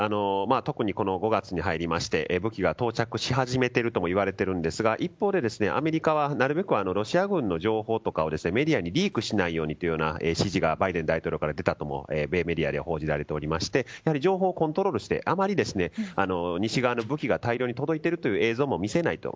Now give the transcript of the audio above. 特に、５月に入りまして武器が到着し始めているとも言われているんですが一方で、アメリカはなるべくロシア軍の情報とかをメディアにリークしないようにという指示がバイデン大統領から出たとも米メディアで報じられておりまして情報をコントロールしてあまり、西側の武器が大量に届いているという映像も見せないと。